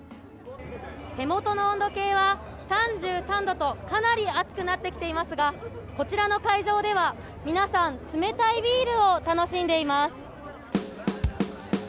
手元の温度計は３３度と、かなり暑くなってきていますが、こちらの会場では皆さん、冷たいビールを楽しんでいます。